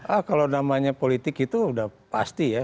ah kalau namanya politik itu sudah pasti ya